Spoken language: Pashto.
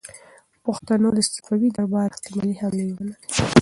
پښتنو د صفوي دربار احتمالي حملې ومنلې.